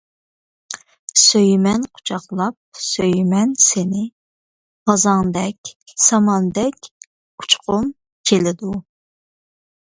سۆيىمەن قۇچاقلاپ، سۆيىمەن سېنى، غازاڭدەك، ساماندەك ئۇچقۇم كېلىدۇ.